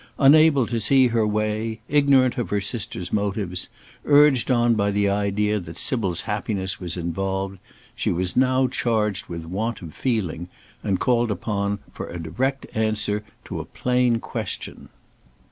Unable to see her way, ignorant of her sister's motives, urged on by the idea that Sybil's happiness was involved, she was now charged with want of feeling, and called upon for a direct answer to a plain question.